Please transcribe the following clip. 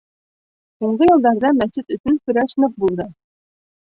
— Һуңғы йылдарҙа мәсет өсөн көрәш ныҡ булды.